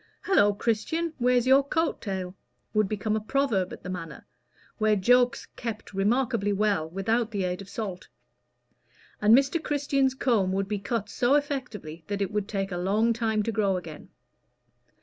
"Hallo, Christian! where's your coat tail?" would become a proverb at the Manor, where jokes kept remarkably well without the aid of salt; and Mr. Christian's comb would be cut so effectually that it would take a long time to grow again.